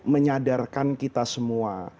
menyadarkan kita semua